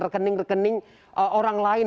rekening rekening orang lain